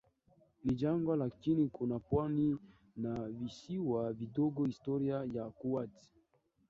ni jangwa lakini kuna pwani na visiwa vidogo Historia ya Kuwait